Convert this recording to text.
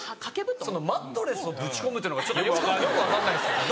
そのマットレスをぶち込むっていうのがよく分かんないですね。